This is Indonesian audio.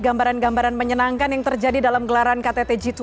gambaran gambaran menyenangkan yang terjadi dalam gelaran ktt g dua puluh